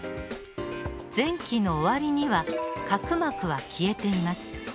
前期の終わりには核膜は消えています。